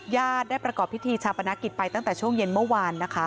ได้ประกอบพิธีชาปนกิจไปตั้งแต่ช่วงเย็นเมื่อวานนะคะ